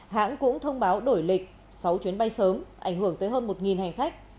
hãng cũng thông báo đổi lịch sáu chuyến bay sớm ảnh hưởng tới hơn một hành khách